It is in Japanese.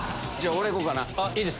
俺いこうかな。